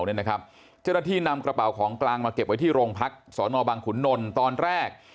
เจ้าหน้าที่นำกระเป๋าของกลางมาเก็บไว้ที่โรงพักสนบังขุนนลตอนแรก